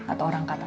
atau orang katakan